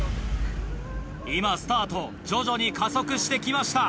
今スタート徐々に加速して来ました。